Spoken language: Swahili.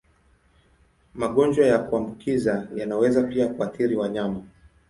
Magonjwa ya kuambukiza yanaweza pia kuathiri wanyama.